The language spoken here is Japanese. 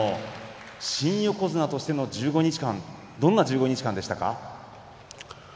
新横綱として１５日間どんな１５日間でしたか。